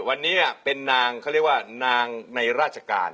วันนี้เป็นนางเขาเรียกว่านางในราชการ